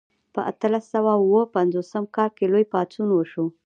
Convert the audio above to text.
په اتلس سوه او اووه پنځوسم کال کې لوی پاڅون وشو.